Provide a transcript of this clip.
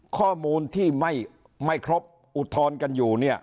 ข้อมูลที่ไม่ครบอุทธรณ์กันอยู่เนี่ย